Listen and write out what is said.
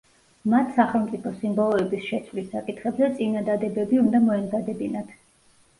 მათ სახელმწიფო სიმბოლოების შეცვლის საკითხებზე წინადადებები უნდა მოემზადებინათ.